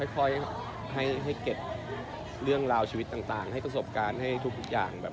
ค่อยให้เก็บเรื่องราวชีวิตต่างให้ประสบการณ์ให้ทุกอย่างแบบ